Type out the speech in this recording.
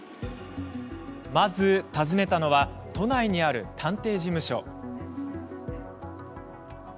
まず、訪ねたのは都内にある探偵事務所。